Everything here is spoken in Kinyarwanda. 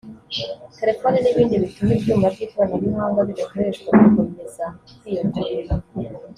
telefoni n’ibindi bituma ibyuma by’ikoranabuhanga bidakoreshwa bikomeza kwiyongera